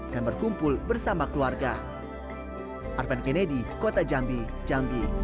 dan berkumpul bersama keluarga